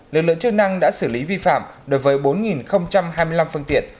lực lượng chức năng đã xử lý vi phạm đối với bốn hai mươi năm phương tiện